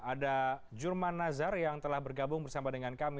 ada jurman nazar yang telah bergabung bersama dengan kami